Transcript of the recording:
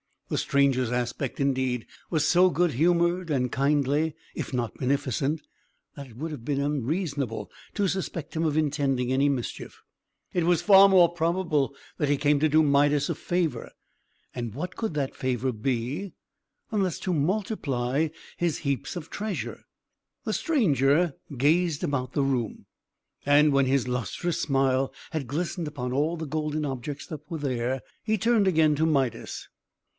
The stranger's aspect, indeed, was so good humoured and kindly, if not beneficent, that it would have been unreasonable to suspect him of intending any mischief. It was far more probable that he came to do Midas a favour. And what could that favour be, unless to multiply his heaps of treasure? The stranger gazed about the room; and when his lustrous smile had glistened upon all the golden objects that were there, he turned again to Midas.